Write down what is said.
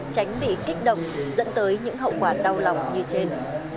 tránh bị kích động dẫn tới những hậu quả đau lòng như trên